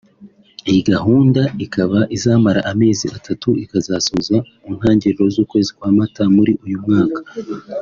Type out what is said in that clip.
Iyi gahunda ikaba izamara amezi atatu ikazasoza mu ntangiriro z’ukwezi kwa mata muri uyu mwaka